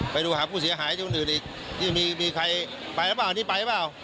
ไปดูหาผู้เสียหายจุดอื่นอีกนี่มีใครไปแล้วเปล่านี่ไปแล้วเปล่า